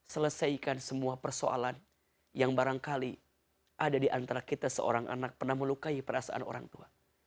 selesaikan semua persoalan yang barangkali ada di antara kita seorang anak pernah melukai perasaan orang tua